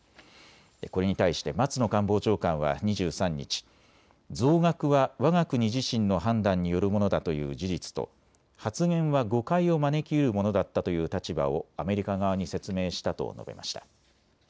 これに対して松野官房長官は２３日、増額はわが国自身の判断によるものだという事実と発言は誤解を招きうるものだったという立場をアメリカ側に説明したと述べました。